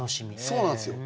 そうなんですよ。